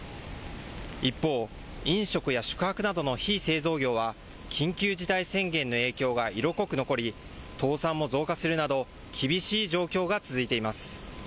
一方、飲食や宿泊などの非製造業は緊急事態宣言の影響が色濃く残り、倒産も増加するなど厳しい状況が続いています。